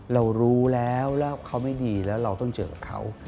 เรารู้แล้วแล้วเขาไม่ดีแล้วเราต้องเจอกับเขา